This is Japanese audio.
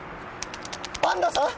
パンダさん！？